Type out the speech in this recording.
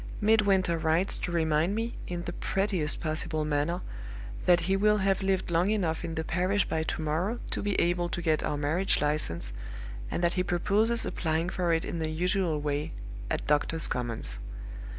Midwinter writes to remind me, in the prettiest possible manner, that he will have lived long enough in the parish by to morrow to be able to get our marriage license, and that he proposes applying for it in the usual way at Doctors' Commons.